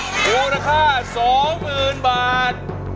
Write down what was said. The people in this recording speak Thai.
โหรค่า๒๐๐๐๐บาท